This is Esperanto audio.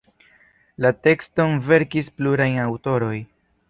La tekston verkis pluraj aŭtoroj.